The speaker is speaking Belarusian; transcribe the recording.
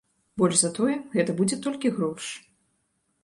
Больш за тое, гэта будзе толькі горш.